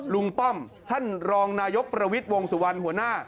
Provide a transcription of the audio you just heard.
ป้อมท่านรองนายกประวิทย์วงสุวรรณหัวหน้า